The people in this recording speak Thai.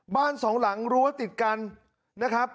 บ้านสองหลังรั้วติดกันนะครับ